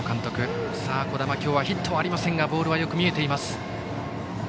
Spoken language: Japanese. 樹神は今日ヒットはありませんがボールはよく見えています。